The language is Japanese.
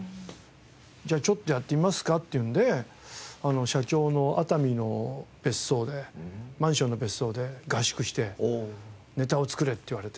じゃあちょっとやってみますかっていうので社長の熱海の別荘でマンションの別荘で合宿してネタを作れって言われて。